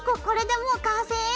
これでもう完成？